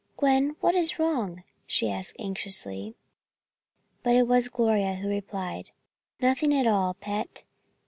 "Gwen, what is wrong?" she asked anxiously. But it was Gloria who replied, "Nothing at all, Pet.